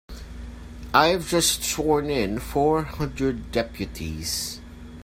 I've just sworn in four hundred deputies.